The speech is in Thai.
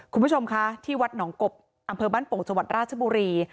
คุณผู้ชมคะที่วัดหนองกบอำเภอบ้านโป่งจังหวัดราชบุรี